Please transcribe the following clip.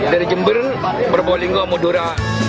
dari jember robolinggo madura